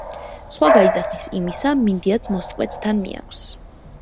სხვა გაიძახის – "იმისა" მინდიაც მოსწყვეტს, თან მიაქვს